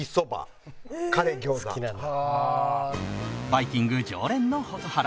バイキング常連の蛍原